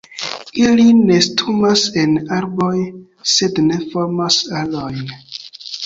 Ili nestumas en arboj, sed ne formas arojn.